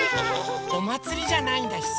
おまつりじゃないんだしさ。